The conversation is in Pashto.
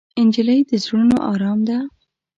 نجلۍ د زړونو ارام ده.